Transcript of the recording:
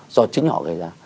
do chính họ gây ra